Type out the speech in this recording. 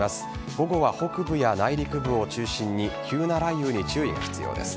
午後は北部や内陸部を中心に急な雷雨に注意が必要です。